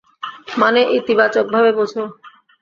মানে ইতিবাচকভাবে বোঝো।